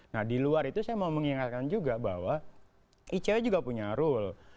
nah di luar itu saya mau mengingatkan juga bahwa icw juga punya rule